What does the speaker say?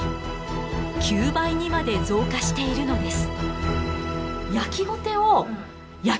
９倍にまで増加しているのです。